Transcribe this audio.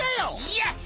よし！